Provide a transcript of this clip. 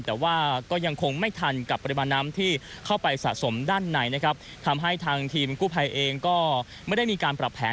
แต่ว่าก็ยังคงไม่ทันกับปริมาณน้ำที่เข้าไปสะสมด้านในนะครับทำให้ทางทีมกู้ภัยเองก็ไม่ได้มีการปรับแผน